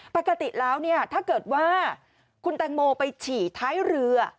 ปกติแล้วเนี่ยถ้าเกิดว่าคุณแตงโมไปฉี่ท้ายเรือ